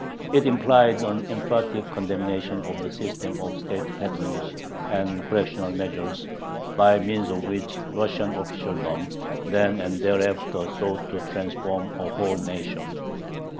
It implied an emphatic condemnation of the system of state patronage and "correctional measures" by means of which Russian officialdom then and thereafter sought to "transform" a whole nation.